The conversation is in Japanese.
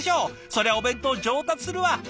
そりゃお弁当上達するわ！